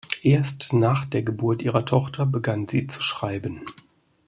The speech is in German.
Erst nach der Geburt ihrer Tochter begann sie zu schreiben.